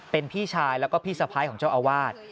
เป็นพี่ชายแล้วก็พี่สะพ้ายของเจ้าอาวาส